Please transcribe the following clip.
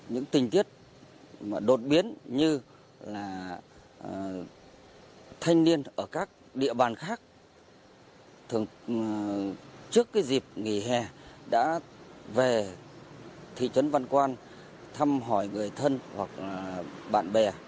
những tình tiết đột biến như là thanh niên ở các địa bàn khác thường trước cái dịp nghỉ hè đã về thị trấn văn quan thăm hỏi người thân hoặc bạn bè